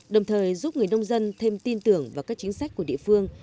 đồng thời giúp người nông dân thêm tin tưởng vào các chính sách của địa phương